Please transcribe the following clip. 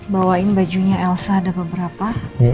bawain bajunya elsa ada beberapa